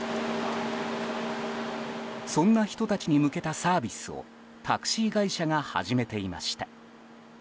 そんな人たちに向けたサービスをタクシー会社が始めていました。